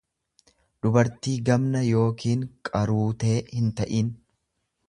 dubartii gamna yookiin qaruutee hinta'in.